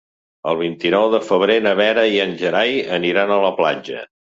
El vint-i-nou de febrer na Vera i en Gerai aniran a la platja.